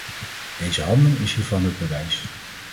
Deze handeling is hiervan het bewijs.